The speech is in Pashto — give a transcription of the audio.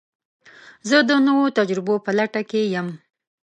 زه د نوو تجربو په لټه کې یم.